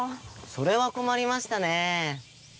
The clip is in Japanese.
それは困りましたねえ。